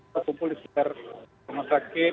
berkumpul di sekitar rumah sakit